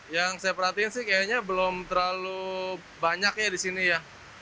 yang saya perhatiin sih kayaknya belum terlalu banyak ya di sini ya